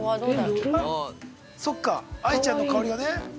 そっか愛ちゃんの香りがね。